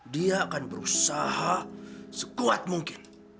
dia akan berusaha sekuat mungkin